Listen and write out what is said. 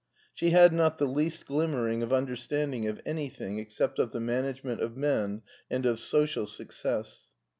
She had not the least glimmering of understanding of anything except of the management of men and of social success.